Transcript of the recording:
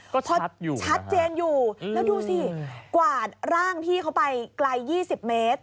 ก็ชัดเจนอยู่แล้วดูสิกวาดร่างพี่เขาไปไกล๒๐เมตร